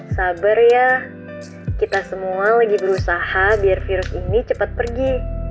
sabar ya kita semua lagi berusaha biar virus ini cepat pergi